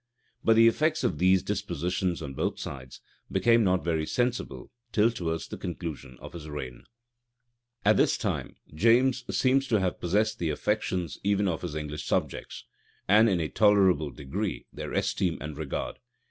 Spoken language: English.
But the effects of these dispositions on both sides became not very sensible till towards the conclusion of his reign. {1606.} At this time, James seems to have possessed the affections even of his English subjects, and, in a tolerable degree, their esteem and regard.